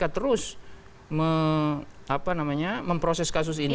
kpk berencana akan terus memproses